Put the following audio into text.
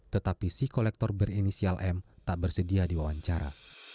tetapi si kolektor berinisial m tak bersedia diwawancara